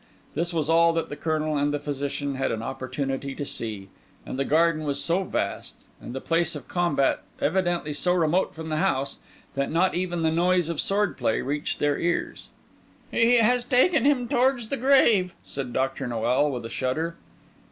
This was all that the Colonel and the Physician had an opportunity to see, and the garden was so vast, and the place of combat evidently so remote from the house, that not even the noise of sword play reached their ears. "He has taken him towards the grave," said Dr. Noel, with a shudder.